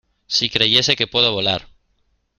Si creyese que puedo volar